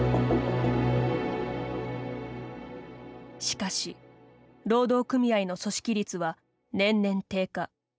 しかし、労働組合の組織率は年々低下。